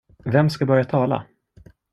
Vem ska börja tala?